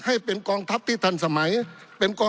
ปี๑เกณฑ์ทหารแสน๒